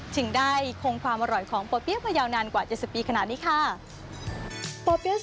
จึงได้คงความอร่อยของพอย่าพยาวนานกว่าเจ็ดสิบปีขนาดนี้ค่ะพ่อ